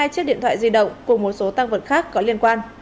một mươi hai chiếc điện thoại di động cùng một số tăng vật khác có liên quan